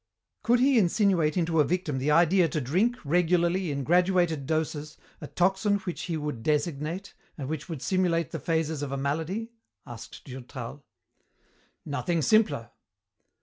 "Could he insinuate into a victim the idea to drink, regularly, in graduated doses, a toxin which he would designate, and which would simulate the phases of a malady?" asked Durtal. "Nothing simpler.